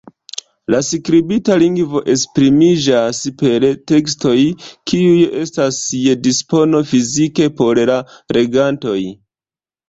La skribita lingvo esprimiĝas per tekstoj kiuj estas je dispono fizike por la legantoj.